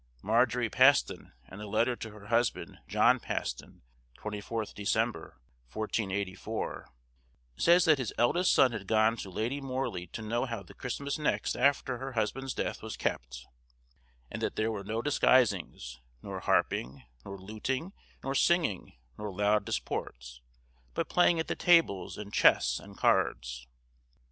Margery Paston, in a letter to her husband John Paston, 24th Dec., 1484, says that his eldest son had gone to Lady Morley to know how the Christmas next after her husband's death was kept, and that there were no disguisings, nor harping, nor luting, nor singing, nor loud disports; but playing at the tables, and chess, and cards.